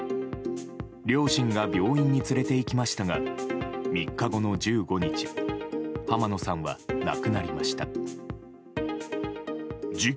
両親が病院に連れていきましたが３日後の１５日浜野さんは亡くなりました。